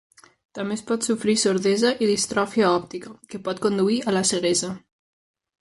També es pot sofrir sordesa i distròfia òptica, que pot conduir a la ceguesa.